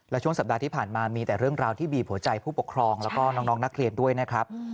และช่วงสัปดาห์ที่ผ่านมามีแต่เรื่องราวที่บีบหัวใจผู้ปกครองแล้วก็น้องนักเรียนด้วยนะครับ